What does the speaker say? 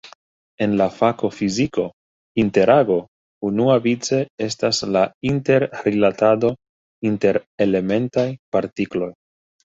En la fako fiziko "interago" unuavice estas la inter-rilatado inter elementaj partikloj.